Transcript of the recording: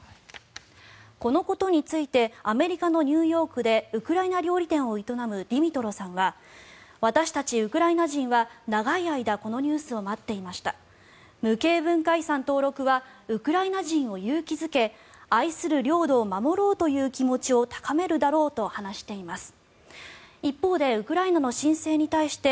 このことについてアメリカのニューヨークでウクライナ料理店を営むディミトロさんは私たちウクライナ人は長い間このニュースを待っていました無形文化遺産登録はウクライナ人を勇気付け愛する領土を守ろうという気持ちを高めるだろうと話しています。